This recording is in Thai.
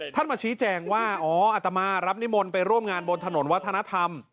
มาชี้แจงว่าอ๋ออัตมารับนิมนต์ไปร่วมงานบนถนนวัฒนธรรม